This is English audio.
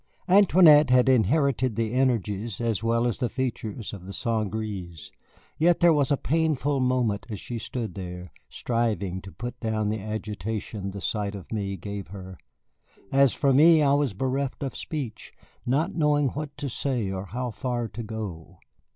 Antoinette had inherited the energies as well as the features of the St. Gré's, yet there was a painful moment as she stood there, striving to put down the agitation the sight of me gave her. As for me, I was bereft of speech, not knowing what to say or how far to go.